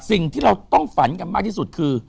สิ่งที่เราต้องฝันกันมากที่สุดคือ